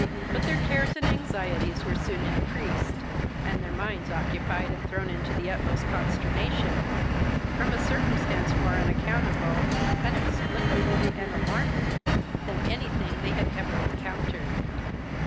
But their cares and anxieties were soon increased, and their minds occupied and thrown into the utmost consternation, from a circumstance more unaccountable, inexplicable, and alarming, than anything they had ever encountered.